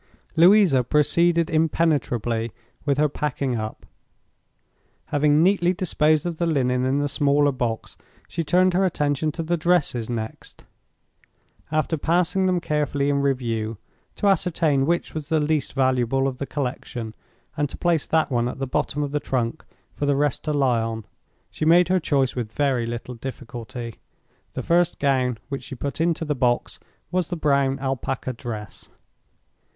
Louisa proceeded impenetrably with her packing up. Having neatly disposed of the linen in the smaller box, she turned her attention to the dresses next. After passing them carefully in review, to ascertain which was the least valuable of the collection, and to place that one at the bottom of the trunk for the rest to lie on, she made her choice with very little difficulty. The first gown which she put into the box was—the brown Alpaca dress.